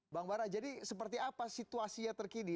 bang bara jadi seperti apa situasinya terkini